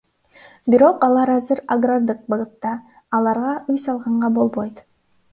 Бирок алар азыр агрардык багытта, аларга үй салганга болбойт.